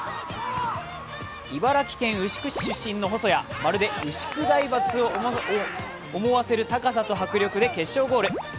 茨城県牛久市出身の細谷、まるで牛久大仏を思わせる高さと迫力で決勝ゴール。